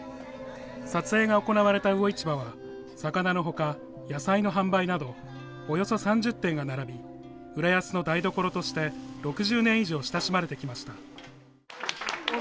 撮影が行われた魚市場は魚のほか野菜の販売などおよそ３０店が並び、浦安の台所として、６０年以上親しまれてきました。